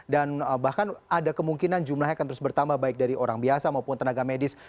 dan bahkan ada kemungkinan jumlahnya akan terus bertambah baik dari orang biasa maupun tenaga medis